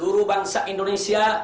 kepada seluruh bangsa indonesia